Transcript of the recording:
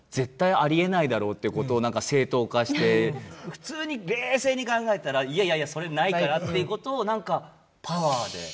普通に冷静に考えたら「いやいやそれないから」っていうことを何かパワーで。